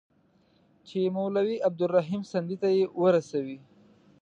چي مولوي عبدالرحیم سندي ته یې ورسوي.